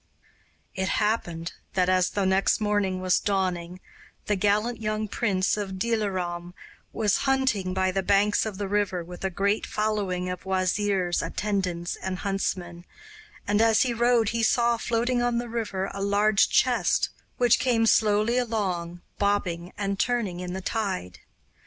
It happened that, as the next morning was dawning, the gallant young prince of Dilaram was hunting by the banks of the river, with a great following of wazirs, attendants, and huntsmen, and as he rode he saw floating on the river a large chest, which came slowly along, bobbing and turning in the tide.